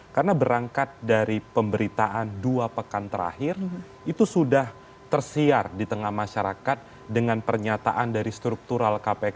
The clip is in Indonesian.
karena berangkat dari pemberitaan dua pekan terakhir itu sudah tersiar di tengah masyarakat dengan pernyataan dari struktural kpk